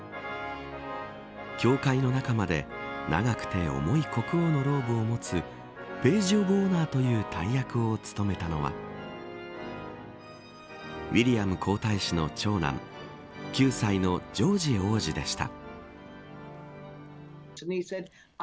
教会の中まで長くて重い国王のローブを持つページ・オブ・オナーという大役を務めたのはウィリアム皇太子の長男９歳のジョージ王子でした。